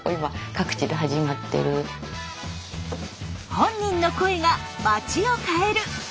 “本人の声”がまちを変える！